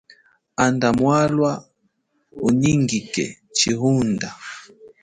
Enda mwalwa unyingike chihunda.